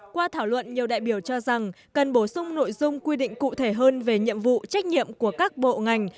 qua thảo luận nhiều đại biểu cho rằng cần bổ sung nội dung quy định cụ thể hơn về nhiệm vụ trách nhiệm của các bộ ngành